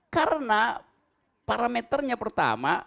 karena parameternya pertama